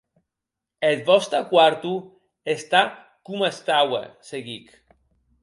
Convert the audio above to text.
Eth vòste quarto està coma estaue, seguic.